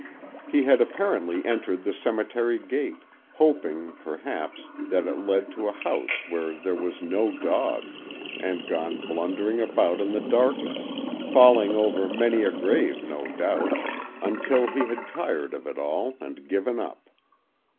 He had apparently entered the cemetery gate—hoping, perhaps, that it led to a house where there was no dog—and gone blundering about in the darkness, falling over many a grave, no doubt, until he had tired of it all and given up.